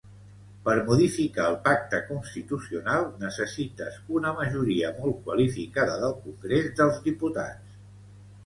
Per modificar el pacte constitucional, necessites una majoria molt qualificada del congrés dels diputats.